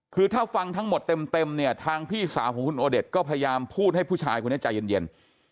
คือถ้าฟังทั้งหมดเต็มเนี่ยทางพี่สาวของคุณโอเดชก็พยายามพูดให้ผู้ชายคนนี้ใจเย็น